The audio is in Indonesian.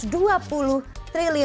jadi kalau kita lihat di facebook